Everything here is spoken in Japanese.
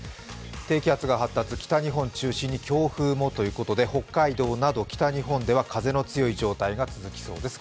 低気圧が発達、北日本を中心に強風もということで北海道など、北日本では風の強い状態が続きそうです。